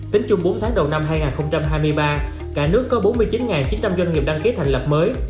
tính chung bốn tháng đầu năm hai nghìn hai mươi ba cả nước có bốn mươi chín chín trăm linh doanh nghiệp đăng ký thành lập mới